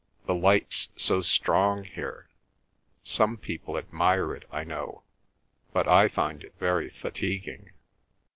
The light's so strong here. Some people admire it, I know, but I find it very fatiguing."